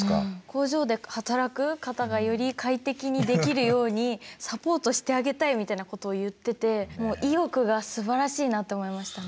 工場で働く方がより快適にできるようにサポートしてあげたいみたいなことを言っててもう意欲がすばらしいなと思いましたね。